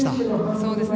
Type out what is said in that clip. そうですね。